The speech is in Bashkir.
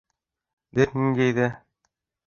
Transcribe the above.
Бер ниндәй ҙә